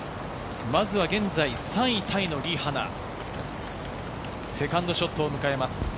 まずは現在３位タイのリ・ハナ、セカンドショットを迎えます。